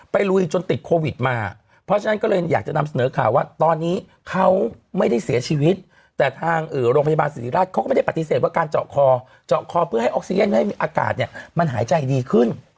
ลุยจนติดโควิดมาเพราะฉะนั้นก็เลยอยากจะนำเสนอข่าวว่าตอนนี้เขาไม่ได้เสียชีวิตแต่ทางโรงพยาบาลศิริราชเขาก็ไม่ได้ปฏิเสธว่าการเจาะคอเจาะคอเพื่อให้ออกซีเย็นให้มีอากาศเนี่ยมันหายใจดีขึ้น